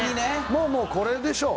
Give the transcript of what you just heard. もうもうこれでしょう。